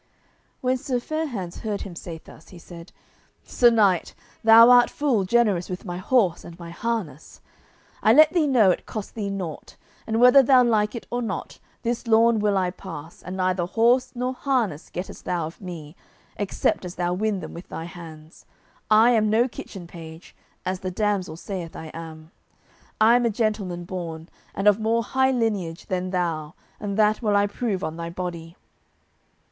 When Sir Fair hands heard him say thus, he said, "Sir knight, thou art full generous with my horse and my harness; I let thee know it cost thee naught, and whether thou like it or not, this lawn will I pass, and neither horse nor harness gettest thou of me, except as thou win them with thy hands. I am no kitchen page, as the damsel saith I am; I am a gentleman born, and of more high lineage than thou, and that will I prove on thy body."